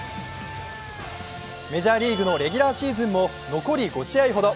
メジャーリーグのレギュラーシーズンも残り５試合ほど。